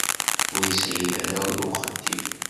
Ur ishil ara i uxeddim.